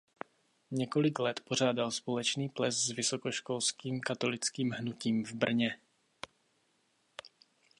Několik let pořádal společný ples s Vysokoškolským katolickým hnutím v Brně.